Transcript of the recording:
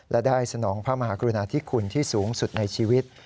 และได้สนองพระมหากรุณาธิคุณที่สูงสุดในชีวิต